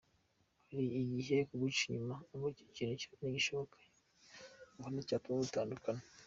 Hari igihe kuguca inyuma aba ari cyo kintu cyonyine gishoboka, abona cyatuma mutandukana.